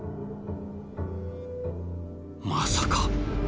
まさか。